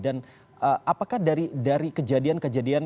dan apakah dari kejadian kejadian